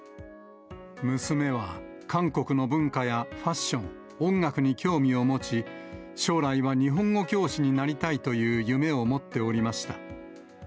娘は、韓国の文化やファッション、音楽に興味を持ち、将来は日本語教師になりたいという夢を持っておりました。